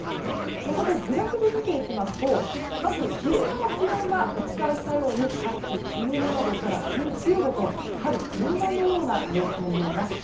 そこで、グラフで見ていきますとまず昼間の気温は各地１７度から１９度と春本番のような陽気になります。